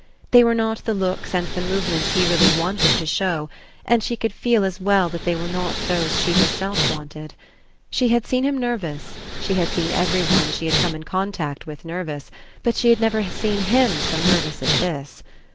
They were not the looks and the movements he really wanted to show, and she could feel as well that they were not those she herself wanted. She had seen him nervous, she had seen every one she had come in contact with nervous, but she had never seen him so nervous as this.